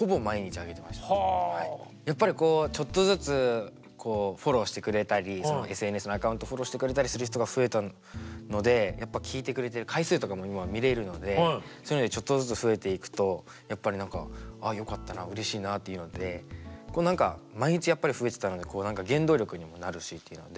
やっぱりこうちょっとずつフォローしてくれたりＳＮＳのアカウントをフォローしてくれたりする人が増えたのでやっぱ聴いてくれてる回数とかも今は見れるのでそういうのでちょっとずつ増えていくとやっぱり何かあっよかったなうれしいなっていうので毎日やっぱり増えてたので原動力にもなるしっていうので。